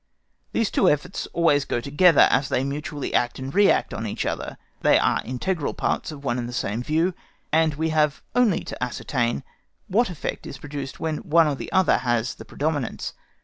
These two efforts always go together, as they mutually act and react on each other; they are integral parts of one and the same view, and we have only to ascertain what effect is produced when one or the other has the predominance.